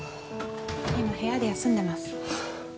今部屋で休んでます。